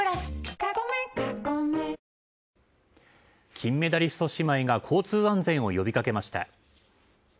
金メダリスト姉妹が交通安全を呼びかけました。